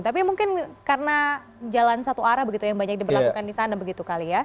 tapi mungkin karena jalan satu arah yang banyak diperlakukan di sana